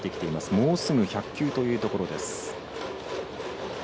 もうすぐ１００球というところ。